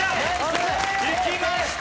いきました！